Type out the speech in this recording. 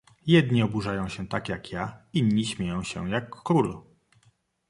"Jedni oburzają się tak jak ja, inni się śmieją, jak król."